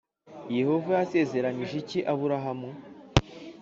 Yehova yasezeranyije iki Aburahamu